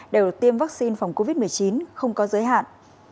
đều được tiêm vaccine phòng covid một mươi chín không có giới hạn